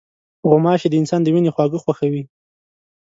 غوماشې د انسان د وینې خواږه خوښوي.